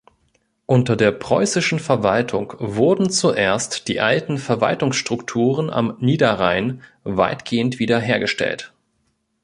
Unter der preußischen Verwaltung wurden zuerst die alten Verwaltungsstrukturen am Niederrhein weitgehend wieder hergestellt.